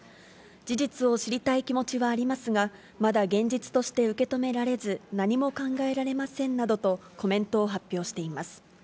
事実を知りたい気持ちはありますが、まだ現実として受け止められず、何も考えられませんなどと、コメントを発表しています。